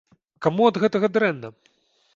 Каму ад гэтага дрэнна?